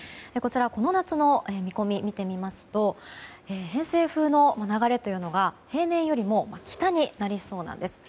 この夏の見込みを見てみますと偏西風の流れというのが平年よりも北になりそうなんです。